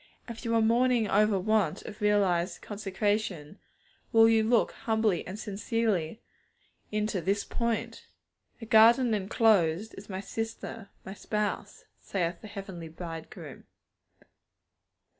If you are mourning over want of realized consecration, will you look humbly and sincerely into this point? 'A garden enclosed is my sister, my spouse,' saith the Heavenly Bridegroom.